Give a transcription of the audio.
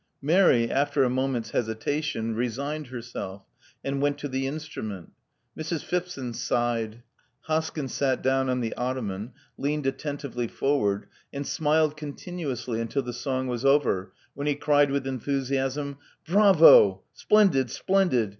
Mary, after a moment* s hesitation, resigned herself, and went to the instrument. Mrs. Phipson sighed. Hoskyn sat down on the ottoman ; leaned attentively forward ; and smiled continuously until the song was over, when he cried with enthusiasm :Bravo! Splendid, splendid!